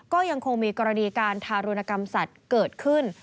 ก็ยังคงมีกรณีการทารุณกรรมสัตว์เกิดขึ้น